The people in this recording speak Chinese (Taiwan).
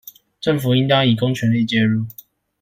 政府應當以公權力介入